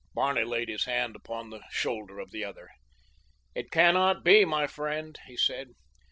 Barney laid his hand upon the shoulder of the other. "It cannot be, my friend," he said.